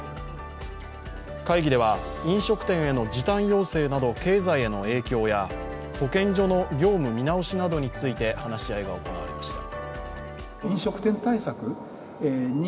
会議では、飲食店への時短要請など経済への影響や保健所の業務見直しなどについて話し合いが行われました。